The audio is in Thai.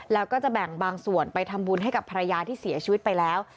แล้วก็จะแบ่งบางส่วนไปทำบุญให้กับภรรยาที่เสียชีวิตไปแล้ว